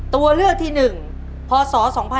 ตัวเลือกที่๑พศ๒๕๖๒